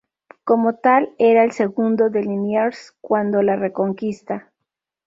Como tal, era el segundo de Liniers cuando la Reconquista.